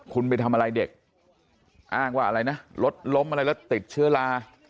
คุณไปทำอะไรเด็กอ้างว่าอะไรนะรถล้มอะไรแล้วติดเชื้อลา